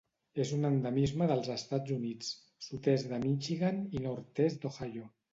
És un endemisme dels Estats Units: sud-est de Michigan i nord-est d'Ohio.